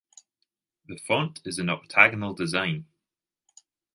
The font is an octagonal design.